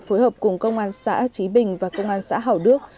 phối hợp cùng công an xã trí bình và công an xã hảo đức